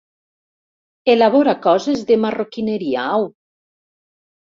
Elabora coses de marroquineria, au!